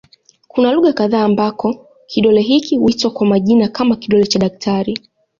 Kuna lugha kadha ambako kidole hiki huitwa kwa majina kama "kidole cha daktari".